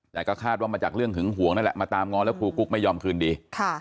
แต่ก็คาดว่ามาจากเรื่องหึงห่วงนั่นแหละมาตามง้อแล้วครูกุ๊กไม่ยอมคืนดี